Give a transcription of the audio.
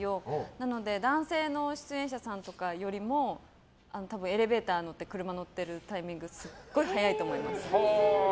なので男性の出演者さんとかよりも多分、エレベーター乗って車乗ってるタイミングがすっごい早いと思います。